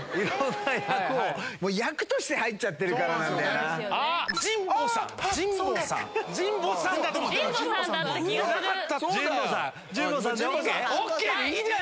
もう、役として入っちゃってるからなんだよな。